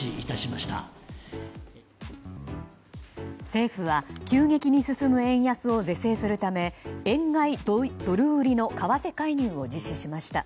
政府は急激に進む円安を是正するため円買いドル売りの為替介入を実施しました。